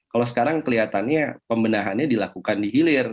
kalau sekarang kelihatannya pembenahannya dilakukan di hilir